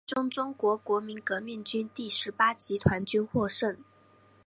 最终中国国民革命军第十八集团军获胜。